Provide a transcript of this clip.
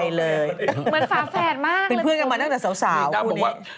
นิ่งเลยใช่ไหมคะนิ่งไม่ด่าใครเลยเป็นเพื่อนกันมาตั้งแต่สาวคุณเนี่ย